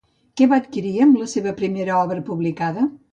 Què va adquirir amb la seva primera obra publicada?